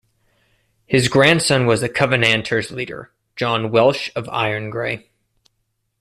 His grandson was the Covenanters' leader, John Welsh of Irongray.